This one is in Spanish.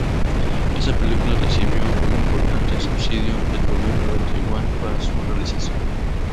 Esta película recibió un importante subsidio del gobierno de Taiwán para su realización.